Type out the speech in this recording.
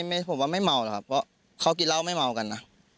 ผมว่าไม่เมาหรอกครับเพราะเขากินเหล้าไม่เมากันนะ